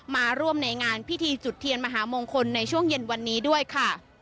มาร่วมในงานพิธีจุดเทียนมหามงคลในช่วงเย็นวันนี้ด้วยค่ะ